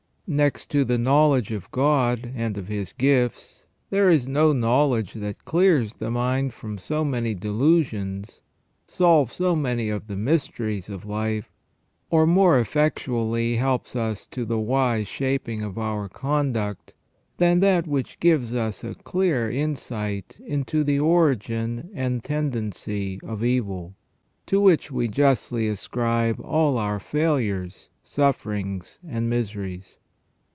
Next to the knowledge of God and of His gifts, there is no knowledge that clears the mind from so many delusions, solves so many of the mysteries of life, or more effectually helps us to the wise shaping of our conduct, than that which gives us a clear insight into the origin and tendency of evil, to which we justly ascribe all our failures, sufferings, and miseries.